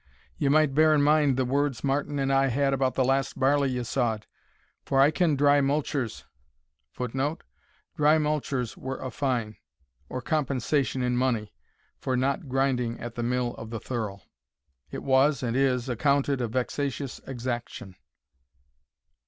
ye might bear in mind the words Martin and I had about the last barley ye sawed for I ken dry multures [Footnote: Dry multures were a fine, or compensation in money, for not grinding at the mill of the thirl. It was, and is, accounted a vexatious exaction.